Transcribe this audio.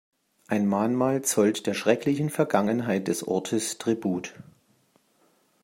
Ein Mahnmal zollt der schrecklichen Vergangenheit des Ortes Tribut.